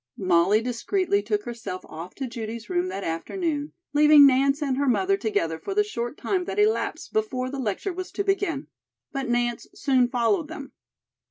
Molly discreetly took herself off to Judy's room that afternoon, leaving Nance and her mother together for the short time that elapsed before the lecture was to begin. But Nance soon followed them.